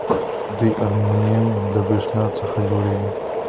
دوی المونیم له بریښنا څخه جوړوي.